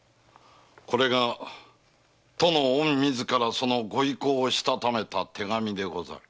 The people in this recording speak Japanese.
これが殿が御自らそのご意向をしたためた手紙でござる。